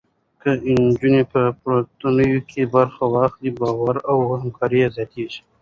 که نجونې په پروژو کې برخه واخلي، باور او همکاري زیاتېږي.